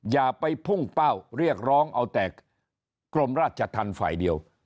อย่าไปพุ่งเป้าเรียกร้องเอาแต่กรมราชธรรมฝ่ายเดียว